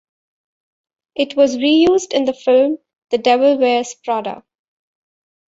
It was re-used in the film "The Devil Wears Prada".